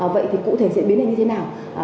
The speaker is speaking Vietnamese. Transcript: vậy thì cụ thể diễn biến này như thế nào